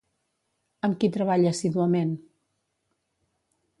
Amb qui treballa assíduament?